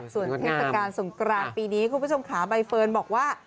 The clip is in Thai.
ส่วนเทศกาลสงกรานปีนี้คุณผู้ชมขาใบเฟิร์นบอกว่า